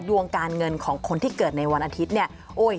ดวงการเงินของคนที่เกิดในวันอาทิตย์เนี่ย